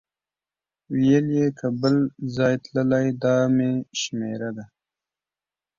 ویل یې که بل ځای تللی دا مې شمېره ده.